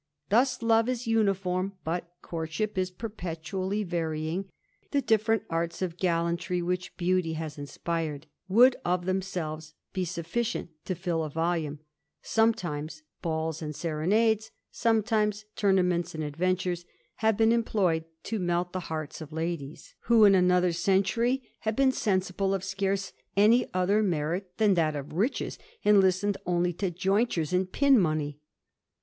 Thus love is uniform, but courtship is perpetually varying : the different arts of gallantry, which beauty has inspired, would of themselves be sufficient to fill a volume ; some times balls and serenades, sometimes tournaments and adventures, have been employed to melt the hearts of ladies, who in another century have been sensible of scarce any other merit than that of riches, and listened only to jointures ^d pin money.